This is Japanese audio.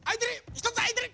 １つあいてる！